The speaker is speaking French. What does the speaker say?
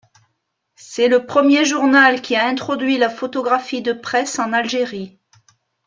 C'est le premier journal qui a introduit la photographie de presse en Algérie.